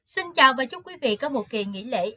xin chào và chúc quý vị có một kỳ nghỉ lễ an toàn